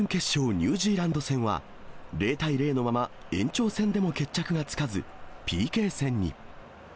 ニュージーランド戦は、０対０のまま、延長戦でも決着がつかず、ＰＫ戦に。